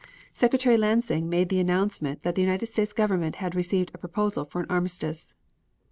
Secretary Lansing made the announcement that the United States Government had received a proposal for an armistice.